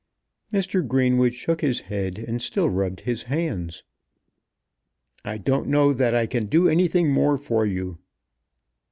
Mr. Greenwood shook his head and still rubbed his hands. "I don't know that I can do anything more for you."